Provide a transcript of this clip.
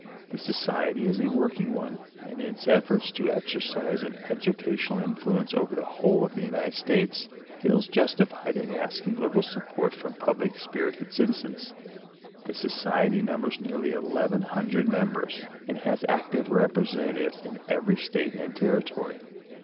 The Society is a work ing one, and in its efforts to exercise an educational influence over the whole of the United States, feels justified in asking lib eral support from public spirited citizens. The Society numbers nearly eleven hundred members, and has active representatives in every state and territory.